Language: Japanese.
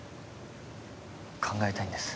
考えたいんです。